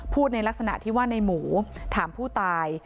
ในลักษณะที่ว่าในหมูถามผู้ตาย